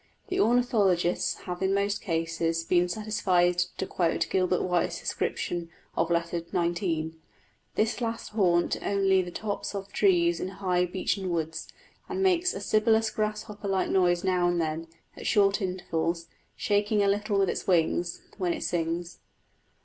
The ornithologists have in most cases been satisfied to quote Gilbert White's description of Letter XIX.: "This last haunts only the tops of trees in high beechen woods, and makes a sibilous grasshopper like noise now and then, at short intervals, shaking a little with its wings when it sings."